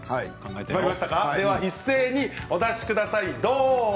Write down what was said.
一斉にお出しください。